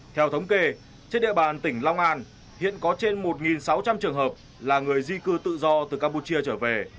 theo thống kê trên địa bàn tỉnh long an hiện có trên một sáu trăm linh trường hợp là người di cư tự do từ campuchia trở về